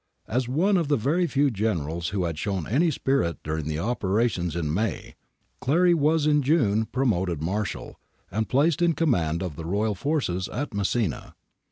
As one of the very tew Generals who had shown any spirit during the operations in May, Clary was in June pro moted Marshal, and placed in command of the Royal forces at Messina.